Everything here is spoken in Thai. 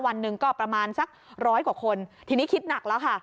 วันหนึ่งก็ประมาณสักร้อยกว่าคนทีนี้คิดหนักแล้วค่ะ